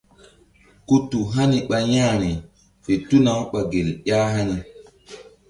Ku tu hani ɓa ƴa̧h ri fe tuna-u ɓa gel ƴah hani.